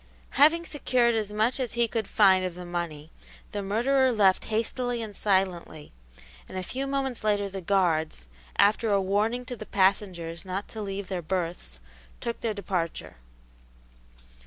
Having secured as much as he could find of the money, the murderer left hastily and silently, and a few moments later the guards, after a warning to the passengers not to leave their berths, took their departure.